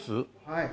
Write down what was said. はい。